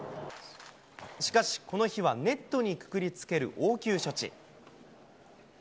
しかし、この日はネットにくくりつける応急処置。